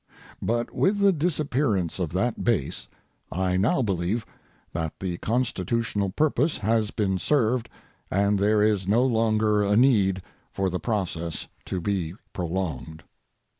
But with the disappearance of that base, I now believe that the constitutional purpose has been served, and there is no longer a need for the process to be prolonged.